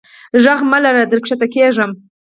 ږغ مه لره در کښته کیږم.